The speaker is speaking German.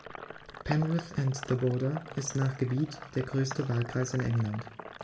Penrith and The Border ist nach Gebiet der größte Wahlkreis in England.